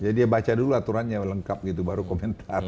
jadi dia baca dulu aturannya lengkap gitu baru komentar gitu